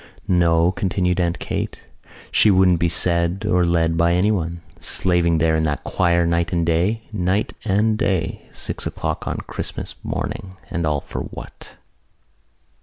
"No," continued Aunt Kate, "she wouldn't be said or led by anyone, slaving there in that choir night and day, night and day. Six o'clock on Christmas morning! And all for what?"